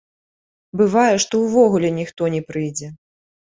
Бывае, што ўвогуле ніхто не прыйдзе.